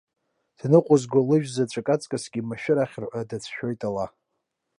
Дныҟәызго лыжәзаҵә аҵкысгьы, машәыр ахьырҳәа дацәшәоит ала.